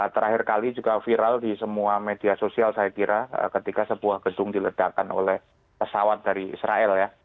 terakhir kali juga viral di semua media sosial saya kira ketika sebuah gedung diledakkan oleh pesawat dari israel ya